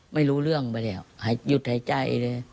ไม่รู้เรื่องไปแล้วหยุดหายใจเลย